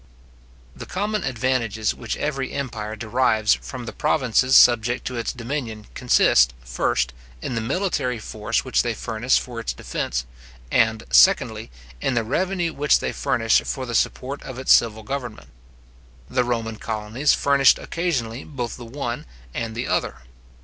The common advantages which every empire derives from the provinces subject to its dominion consist, first, in the military force which they furnish for its defence; and, secondly, in the revenue which they furnish for the support of its civil government. The Roman colonies furnished occasionally both the one and the other.